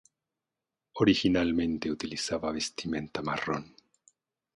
Originalmente utilizaban vestimenta marrón.